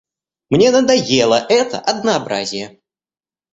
Мне надоело это однообразие.